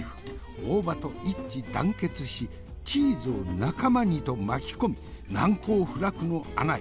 大葉と一致団結しチーズを仲間にと巻き込み難攻不落の穴へ。